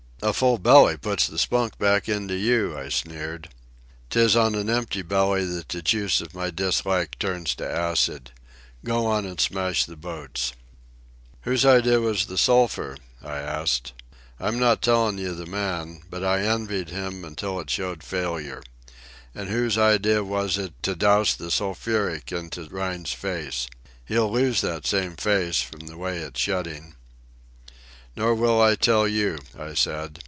"A full belly puts the spunk back into you," I sneered. "'Tis on an empty belly that the juice of my dislike turns to acid. Go on an' smash the boats." "Whose idea was the sulphur?" I asked. "I'm not tellin' you the man, but I envied him until it showed failure. An' whose idea was it—to douse the sulphuric into Rhine's face? He'll lose that same face, from the way it's shedding." "Nor will I tell you," I said.